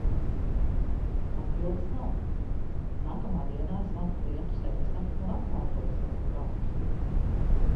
Atbildes nav. Nākamā dienā zvanu klientu servisam un atkārtoju savus draudus.